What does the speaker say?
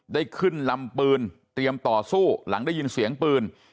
ได้ขึ้นลำปืนเตรียมต่อสู้หลังได้ยินเสียงปืน